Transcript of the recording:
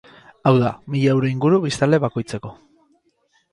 Hau da, mila euro inguru biztanle bakoitzeko.